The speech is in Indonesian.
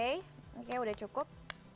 ini udah cukup